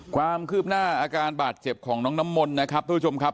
ความคืบหน้าอาการบาดเจ็บของน้องน้ำมนต์นะครับทุกผู้ชมครับ